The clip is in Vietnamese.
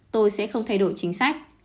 tôi sẽ không thay đổi chính sách